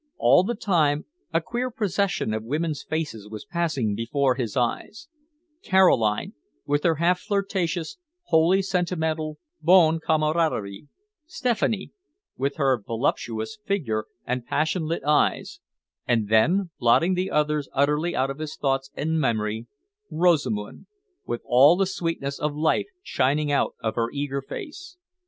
All the time a queer procession of women's faces was passing before his eyes Caroline, with her half flirtatious, wholly sentimental bon camaraderie; Stephanie, with her voluptuous figure and passion lit eyes; and then, blotting the others utterly out of his thoughts and memory, Rosamund, with all the sweetness of life shining out of her eager face.